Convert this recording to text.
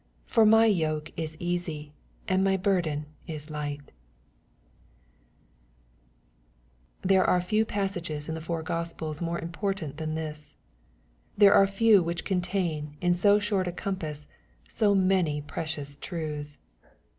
80 For my yoke it easy, and my burden ia light. Thebe are few passages in the four Gospels more im* portant than this. There are few which contain^ in so short a compass, so many precious truths.